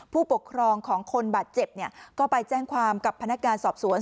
ผู้ปกครองของคนบาดเจ็บก็ไปแจ้งความกับพนักงานสอบสวน